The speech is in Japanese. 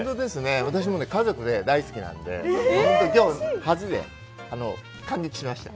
私も家族が大好きなので今日、初で感激しました。